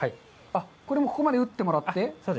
これもここまで打ってもらって？